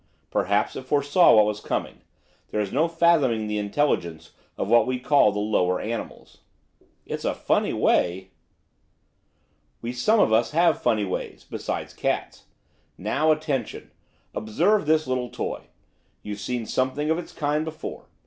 Perhaps it foresaw what was coming, there is no fathoming the intelligence of what we call the lower animals. 'It's a funny way.' 'We some of us have funny ways, beside cats. Now, attention! Observe this little toy, you've seen something of its kind before.